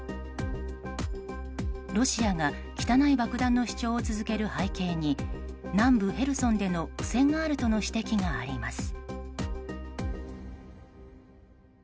ロシアが汚い爆弾の主張を続ける背景に南部ヘルソンでの苦戦があるとの指摘があります。